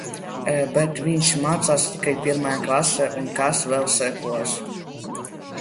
Bet viņš mācās tikai pirmajā klasē. Un, kas vēl sekos?